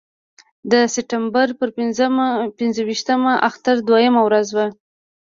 د سپټمبر پر پنځه ویشتمه اختر دویمه ورځ وه.